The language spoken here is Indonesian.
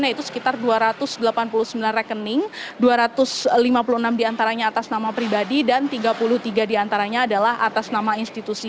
yaitu sekitar dua ratus delapan puluh sembilan rekening dua ratus lima puluh enam diantaranya atas nama pribadi dan tiga puluh tiga diantaranya adalah atas nama institusi